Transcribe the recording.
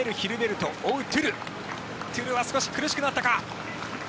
トゥルは少し苦しくなったか。